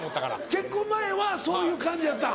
結婚前はそういう感じやったん？